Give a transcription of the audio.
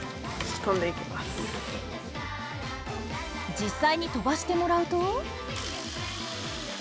実際に飛ばしてもらうと。